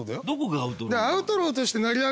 どこがアウトローなの？